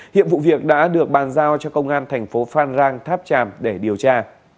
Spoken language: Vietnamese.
hiện vụ việc đã được bàn giao cho công an thành phố phan rang tháp tràm để điều tra